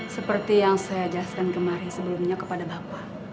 seperti yang saya jelaskan kemarin sebelumnya kepada bapak